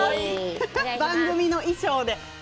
番組の衣装で。